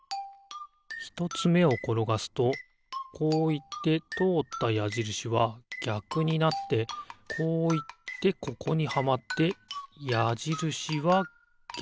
ひとつめをころがすとこういってとおったやじるしはぎゃくになってこういってここにはまってやじるしはぎゃくになる。